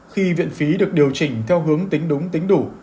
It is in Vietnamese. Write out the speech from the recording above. khi viện phí được điều chỉnh theo hướng tính đúng tính đủ